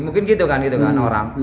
mungkin gitu kan orang